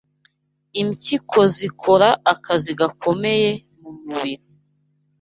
Impyiko zikora akazi gakomeye mu mubiri